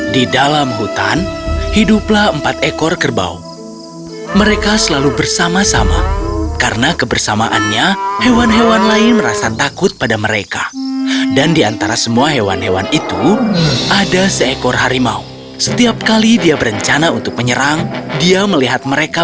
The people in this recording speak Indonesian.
dongeng bahasa indonesia